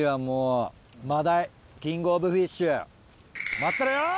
待ってろよ！